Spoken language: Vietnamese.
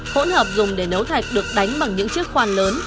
hỗn hợp dùng để nấu thạch được đánh bằng những chiếc khoan lớn